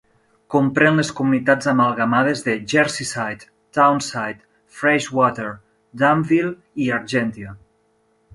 Comprèn les comunitats amalgamades de Jerseyside, Townside, Freshwater, Dunville i Argentia.